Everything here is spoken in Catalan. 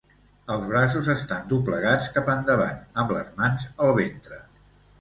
Els braços estan doblegats cap endavant amb les mans al ventre.